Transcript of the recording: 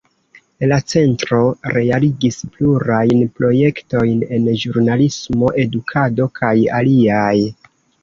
La Centro realigis plurajn projektojn en ĵurnalismo, edukado kaj aliaj.